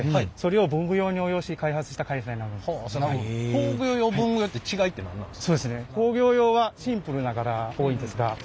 工業用文具用って違いって何なんですか？